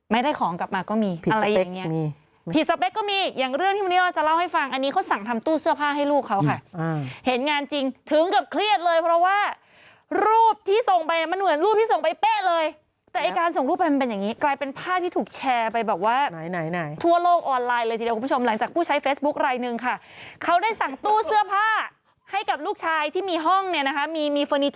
ไม่ได้ของกลับมาก็มีอะไรอย่างนี้